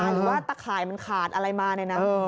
หรือว่าตะข่ายมันขาดอะไรมาเนี่ยนะ